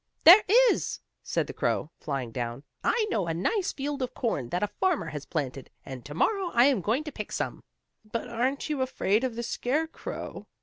"There is," said the black crow, flying down. "I know a nice field of corn that a farmer has planted, and to morrow I am going to pick some." "But aren't you afraid of the scarecrow?"